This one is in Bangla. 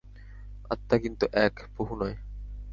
আত্মা কিন্তু এক, বহু নয়।